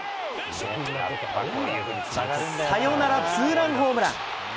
サヨナラツーランホームラン。